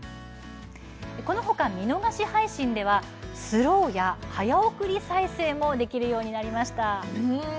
このほか、見逃し配信ではスローや早送り再生もできるようになりました。